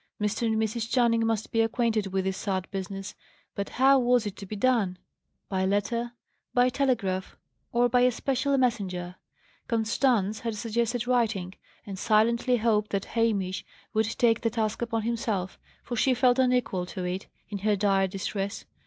Mr. and Mrs. Channing must be acquainted with this sad business; but how was it to be done? By letter? by telegraph? or by a special messenger? Constance had suggested writing, and silently hoped that Hamish would take the task upon himself, for she felt unequal to it, in her dire distress.